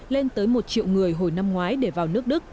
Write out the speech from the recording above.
lên tới một triệu người hồi năm ngoái để vào nước đức